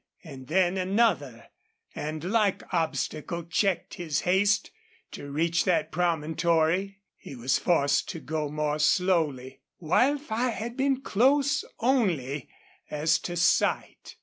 And then another and like obstacle checked his haste to reach that promontory. He was forced to go more slowly. Wildfire had been close only as to sight.